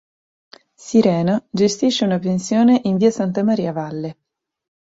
Sirena gestisce una pensione in via Santa Maria Valle.